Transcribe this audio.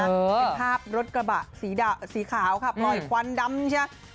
เป็นภาพรถกระบะสีขาวค่ะปล่อยควันดำใช่ไหม